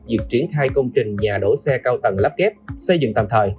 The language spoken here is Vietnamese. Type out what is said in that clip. việc triển khai công trình nhà đổ xe cao tầng lắp kép xây dựng tạm thời